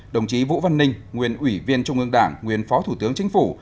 đồng chí vũ văn ninh nguyên ủy viên trung ương đảng nguyên phó thủ tướng chính phủ